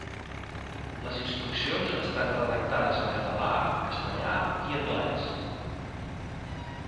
Les instruccions estan redactades en català, castellà i anglès.